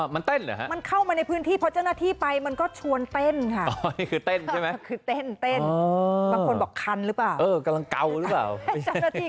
มันเข้ามาในพื้นที่เพราะเจ้าหน้าที่ไปมันก็ชวนเต้นของมันบอกคันหรือว่ากำลังเก่าหรือไหม